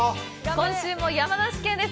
今週も山梨県です。